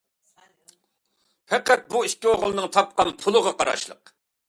پەقەت بۇ ئىككى ئوغۇلنىڭ تاپقان پۇلىغا قاراشلىق.